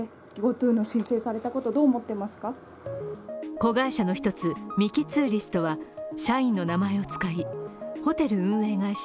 子会社の１つミキ・ツーリストは社員の名前を使い、ホテル運営会社